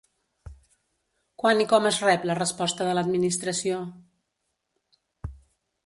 Quan i com es rep la resposta de l'Administració?